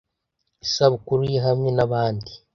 isabukuru ye hamwe nabandi